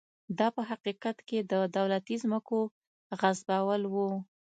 دا په حقیقت کې د دولتي ځمکو غصبول و.